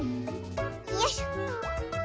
よいしょ。